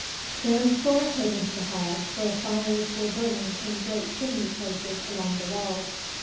Then Thor came into the hall, where fires were burning in great chimney places along the walls.